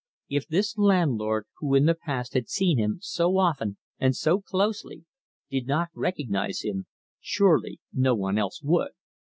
If this landlord, who in the past had seen him so often and so closely, did not recognise him, surely no one else would.